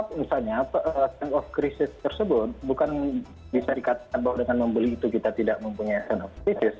kalau misalnya sense of crisis tersebut bukan bisa dikatakan bahwa dengan membeli itu kita tidak mempunyai sense of kritis